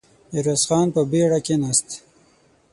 ميرويس خان په بېړه کېناست.